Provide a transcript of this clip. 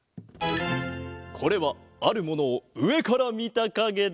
これはあるものをうえからみたかげだ。